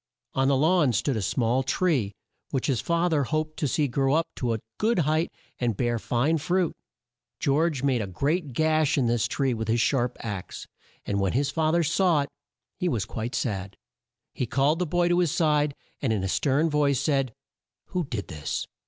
On the lawn stood a small tree which his fa ther hoped to see grow up to a good height and to bear fine fruit. George made a great gash in this tree with his sharp axe, and when his fa ther saw it he was quite sad. He called the boy to his side, and in a stern voice said: "Who did this?